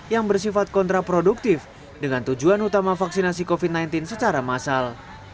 yang bersifat kontraproduktif dengan tujuan utama vaksinasi covid sembilan belas secara massal